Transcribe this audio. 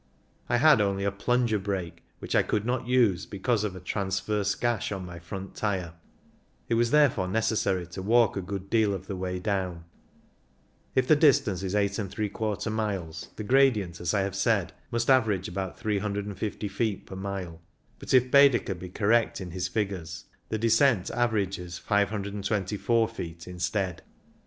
I had only a plunger brake, which I could not use because of a transverse gash on my front tyre ; it was therefore necessary to walk a good deal of the way down. If the distance is 8f miles, the gradient, as I have said, must average about 350 feet per mile ; but if Baedeker be correct in his figures, the descent averages 524 feet 62 CYCLING IN THE ALPS instead.